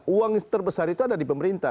uang terbesar itu ada di pemerintah